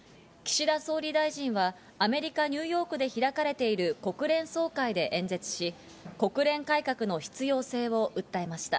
岸田総理大臣はアメリカ・ニューヨークで開かれている国連総会で演説し、国連改革の必要性を訴えました。